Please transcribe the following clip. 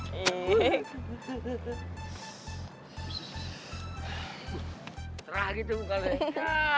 serah gitu bukalnya